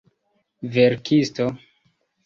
verkisto